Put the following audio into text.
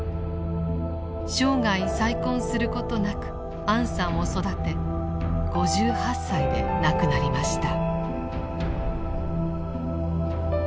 生涯再婚することなくアンさんを育て５８歳で亡くなりました。